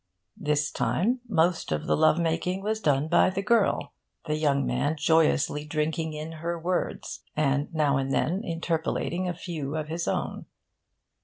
This time, most of the love making was done by the girl; the young man joyously drinking in her words, and now and then interpolating a few of his own.